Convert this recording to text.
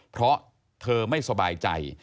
เพราะเธอไม่สบายใจ